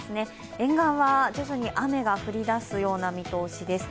沿岸は徐々に雨が降り出すような見通しです。